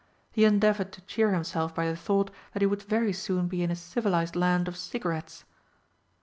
He endeavoured to cheer himself by the thought that he would very soon be in a civilised land of cigarettes.